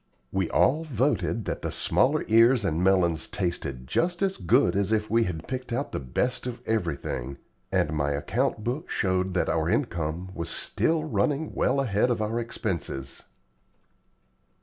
We all voted that the smaller ears and melons tasted just as good as if we had picked out the best of everything, and my account book showed that our income was still running well ahead of our expenses.